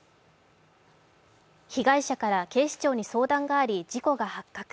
被害者から警視庁に相談があり、事故が発覚。